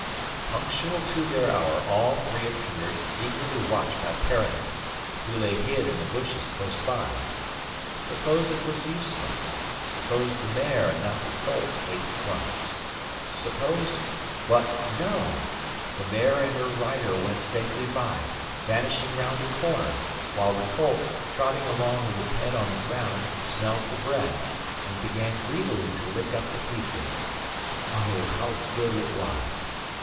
Punctual to their hour all three appeared, eagerly watched by Peronnik, who lay hid in the bushes close by. Suppose it was useless; suppose the mare, and not the colt, ate the crumbs? Suppose but no! the mare and her rider went safely by, vanishing round a corner, while the colt, trotting along with its head on the ground, smelt the bread, and began greedily to lick up the pieces. Oh, how good it was!